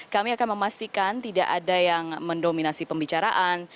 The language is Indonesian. kami akan memastikan tidak ada yang mendominasi pembicaraan